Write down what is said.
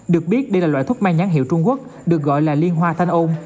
được biết đây là loại thuốc mang nhãn hiệu trung quốc được gọi là liên hoa thanh ôn